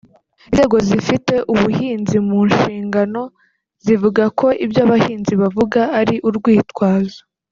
Inzego zifite ubuhinzi mu nshingano zivuga ko ibyo abahinzi bavuga ari urwitwazo